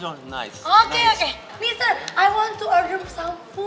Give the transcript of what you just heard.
oke oke mister aku mau pesen makanan makanan lagi bisa aku